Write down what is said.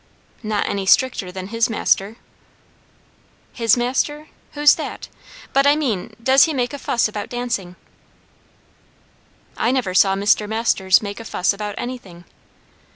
"Not any stricter than his Master." "His master? who's that? But I mean, does he make a fuss about dancing?" "I never saw Mr. Masters make a fuss about anything."